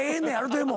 でも。